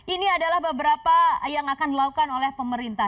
ini adalah beberapa yang akan dilakukan oleh pemerintah